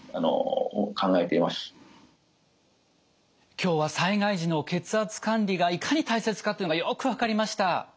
今日は災害時の血圧管理がいかに大切かというのがよく分かりました。